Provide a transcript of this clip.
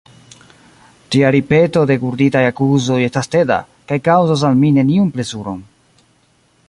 Tia ripeto de gurditaj akuzoj estas teda, kaj kaŭzas al mi neniun plezuron.